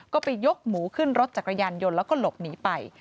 ก็ไปยกหมูขึ้นรถจักรยานยนต์แล้วก็หลบหนีไป